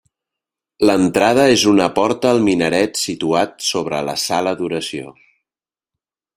L'entrada és una porta al minaret situat sobre la sala d'oració.